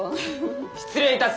・失礼いたす。